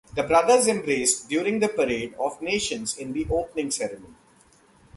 The brothers embraced during the Parade of Nations in the opening ceremony.